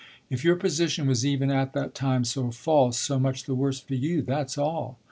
If your position was even at that time so false, so much the worse for you, that's all.